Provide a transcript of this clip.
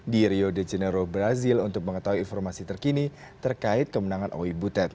di rio de janeiro brazil untuk mengetahui informasi terkini terkait kemenangan owi butet